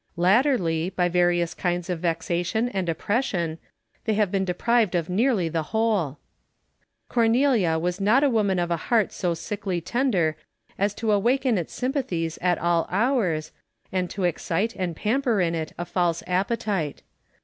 Latterly, by various kinds of vexation and oppression, they have been deprived of nearly the whole. Cornelia was not a woman of a heart so sickly tender as to awaken its sympathies at all hours, and to excite and pamper in it a false appetite.